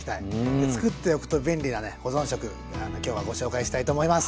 つくっておくと便利なね保存食今日はご紹介したいと思います。